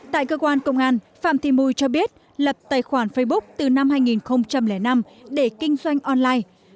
tại cơ quan công an phạm thị mùi cho biết lập tài khoản facebook từ năm hai nghìn năm để kinh doanh online